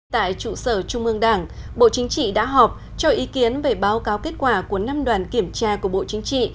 tại trụ sở trung ương đảng bộ chính trị đã họp cho ý kiến về báo cáo kết quả của năm đoàn kiểm tra của bộ chính trị